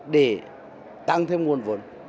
để tăng thêm nguồn vốn